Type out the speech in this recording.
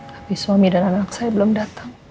tapi suami dan anak saya belum datang